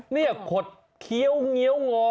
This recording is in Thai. นี่ขดเคี้ยวเงี้ยวงอ